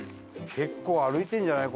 結構歩いてるんじゃない？